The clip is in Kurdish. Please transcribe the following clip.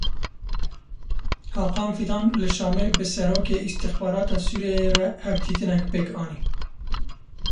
Hakan Fîdan li Şamê bi serokê îstixbarata Sûriyeyê re hevdîtinek pêk anî.